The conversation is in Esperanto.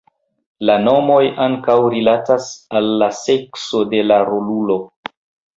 La nomoj ankaŭ rilatas al la sekso de la rolulo.